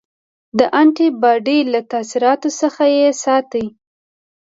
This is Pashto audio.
د انټي باډي له تاثیراتو څخه یې ساتي.